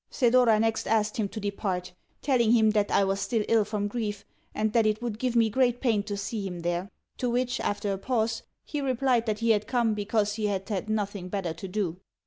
Thedora next asked him to depart telling him that I was still ill from grief, and that it would give me great pain to see him there; to which, after a pause, he replied that he had come because he had had nothing better to do.